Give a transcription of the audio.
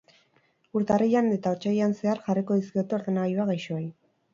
Urtarrilean eta otsailean zehar jarriko dizkiote ordenagailuak gaixoei.